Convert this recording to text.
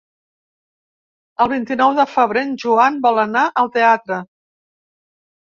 El vint-i-nou de febrer en Joan vol anar al teatre.